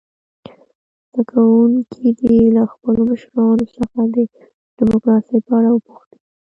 زده کوونکي دې له خپلو مشرانو څخه د ډموکراسۍ په اړه وپوښتي.